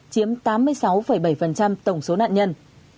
chiếm tám mươi sáu bảy tổng số nạn nhân